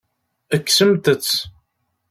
Kksemt-tt.